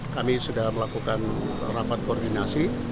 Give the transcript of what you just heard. kami sudah melakukan rapat koordinasi